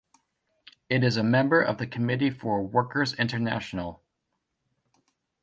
It is a member of the Committee for a Workers' International.